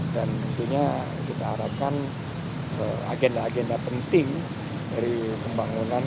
dan tentunya kita harapkan agenda agenda penting dari pembangunan